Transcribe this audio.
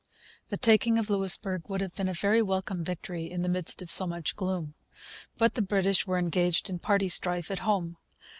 The taking of Louisbourg would have been a very welcome victory in the midst of so much gloom. But the British were engaged in party strife at home.